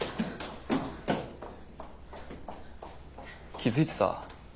気付いてた？